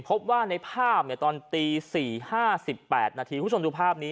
พบว่าในรถคันนึงเขาพุกอยู่ประมาณกี่โมงครับ๔๕นัท